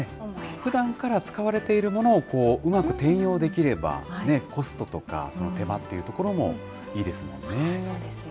ふだんから使われているものを、うまく転用できれば、コストとか、その手間っていうところもいいですもんね。